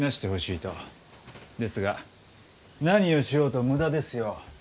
ですが何をしようと無駄ですよ。